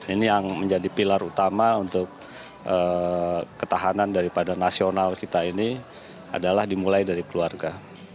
ini yang menjadi pilar utama untuk ketahanan daripada nasional kita ini adalah dimulai dari keluarga